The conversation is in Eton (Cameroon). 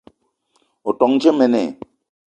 O ton dje mene?